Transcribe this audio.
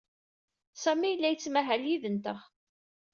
Sami yella yettmahal yid-nteɣ.